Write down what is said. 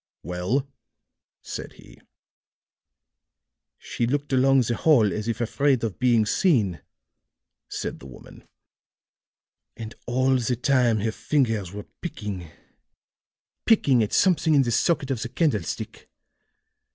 "Well?" said he. "She looked along the hall as if afraid of being seen," said the woman; "and all the time her fingers were picking picking at something in the socket of the candlestick.